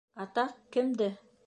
Атаҡ, кемде?